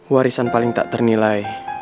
warisan paling tak ternilai